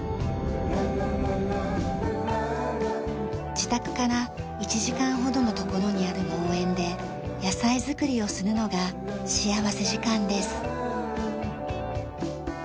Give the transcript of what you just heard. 自宅から１時間ほどの所にある農園で野菜づくりをするのが幸福時間です。